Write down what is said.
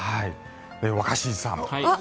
若新さん